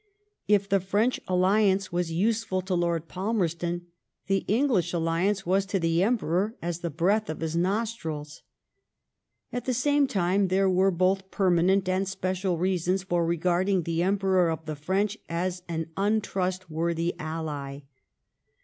If the French alliance was useful to Lord Palmerston, the English alliance was to the Emperor as the breath of his nostrils. At the same time there were both permanent and special reasons for regarding the Emperor of the French as an untrustworthy ally.